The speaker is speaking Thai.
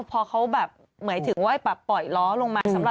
พอเขาเหมือยถึงว่าปล่อยล้อลงมา